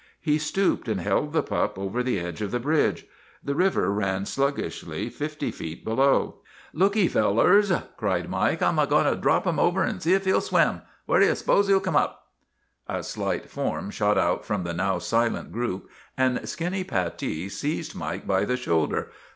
He stooped and held the pup over the edge of the bridge. The river ran sluggishly fifty feet below. " Lookee, fellers," cried Mike, " I 'm goin' to drop him over an' see if he'll swim. Where do you s'pose he '11 come up? ' A slight form shot out from the now silent group and Skinny Pattee seized Mike by the shoulder.